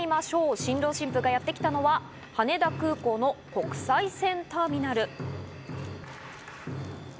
新郎新婦がやってきたのは羽田空港の国際線ターミナル。